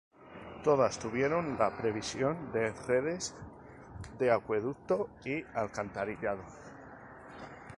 Todas tuvieron la previsión de redes de acueducto y alcantarillado.